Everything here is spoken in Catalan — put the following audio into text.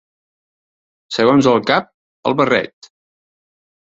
Segons el cap, el barret.